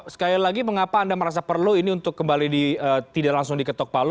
sekali lagi mengapa anda merasa perlu ini untuk kembali tidak langsung diketok palu